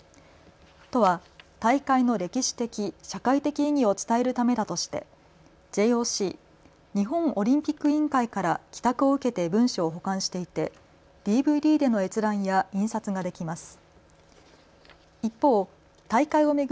都は大会の歴史的・社会的意義を伝えるためだとしてＪＯＣ・日本オリンピック委員会から寄託を受けて文書を保管していてＤＶＤでの閲覧や印刷ができます。